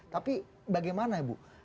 tapi bagaimana bu